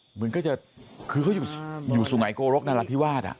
เหมือนก็จะคือเขาอยู่สุงัยโกรกนรัฐธิวาส